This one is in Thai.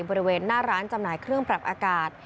บริเวณหน้าร้านจำหน่ายเครื่องปรับอากาศ